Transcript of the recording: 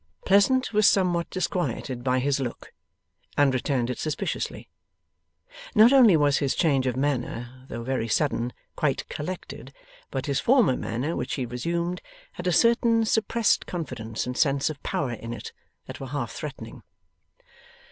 Pleasant was somewhat disquieted by his look, and returned it suspiciously. Not only was his change of manner, though very sudden, quite collected, but his former manner, which he resumed, had a certain suppressed confidence and sense of power in it that were half threatening.